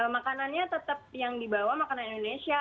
makanannya tetap yang dibawa makanan indonesia